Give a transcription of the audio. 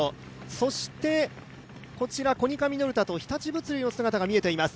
そしてコニカミノルタと日立物流の姿が見えています。